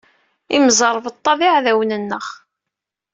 Imẓeṛbeṭṭa d iɛdawen nneɣ.